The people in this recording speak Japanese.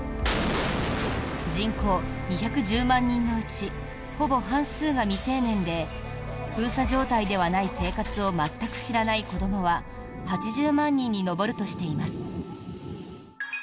人口２１０万人のうちほぼ半数が未成年で封鎖状態ではない生活を全く知らない子どもは８０万人に上るとしています。